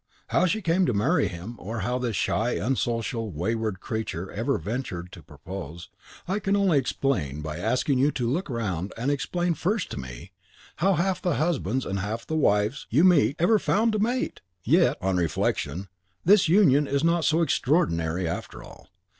How she came to marry him, or how this shy, unsocial, wayward creature ever ventured to propose, I can only explain by asking you to look round and explain first to ME how half the husbands and half the wives you meet ever found a mate! Yet, on reflection, this union was not so extraordinary after all.